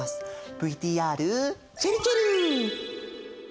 ＶＴＲちぇるちぇる！